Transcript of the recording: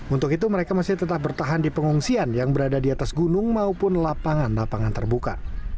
untuk itu mereka masih tetap bertahan di pengungsian yang berada di atas gunung maupun lapangan lapangan terbuka